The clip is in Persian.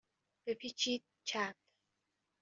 بپیچید چپ.